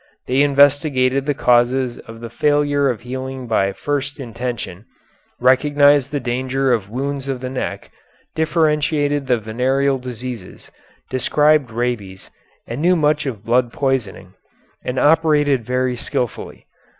They investigated the causes of the failure of healing by first intention, recognized the danger of wounds of the neck, differentiated the venereal diseases, described rabies, and knew much of blood poisoning, and operated very skilfully.